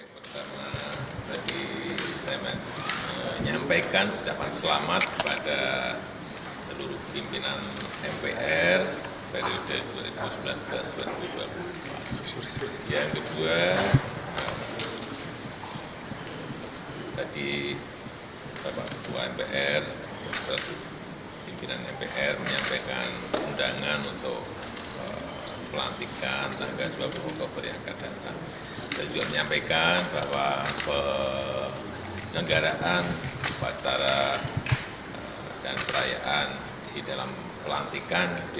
pimpinan mpr menyampaikan undangan untuk pelantikan tanggal dua puluh oktober yang akan datang